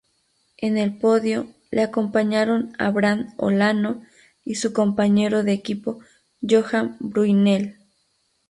En el podio, le acompañaron Abraham Olano y su compañero de equipo Johan Bruyneel.